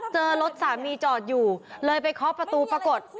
เจอรถสามีจอดอยู่เลยไปเคาะประตูปรากฏ